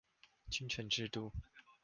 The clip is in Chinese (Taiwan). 均權制度